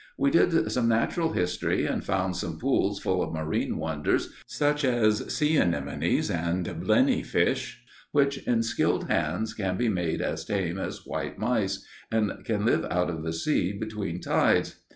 We did some natural history, and found small pools full of marine wonders, such as sea anemones and blenny fish, which in skilled hands can be made as tame as white mice, and can live out of the sea between tides.